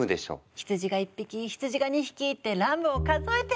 羊が１匹羊が２匹ってラムを数えてるの。